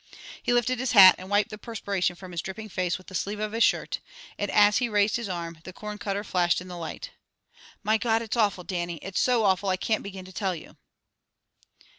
He lifted his hat, and wiped the perspiration from his dripping face with the sleeve of his shirt, and as he raised his arm, the corn cutter flashed in the light. "My God, it's awful, Dannie! It's so awful, I can't begin to tell you!"